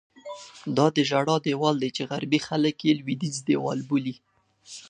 دا د ژړا دیوال دی چې غربي خلک یې لوېدیځ دیوال بولي.